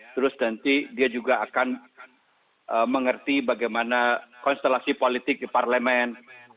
terus nanti dia juga akan mengerti bagaimana konstelasi politik di parlemen